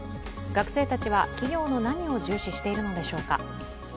学生たちは企業の何を重視しているのでしょうか？